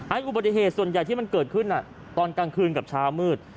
อุบัติเหตุส่วนใหญ่ที่มันเกิดขึ้นตอนกลางคืนกับเช้ามืด